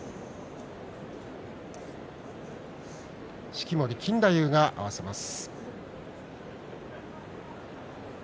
式守錦太夫が合わせます。